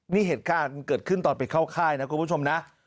นี่เหตุการณ์เกิดขึ้นตอนไปเข้าค่ายนะคุณผู้ชมนะ